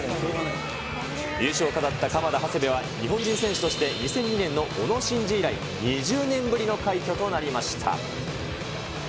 優勝を飾った鎌田、長谷部は、日本人選手として２００２年の小野伸二以来、２０年ぶりの快挙となりました。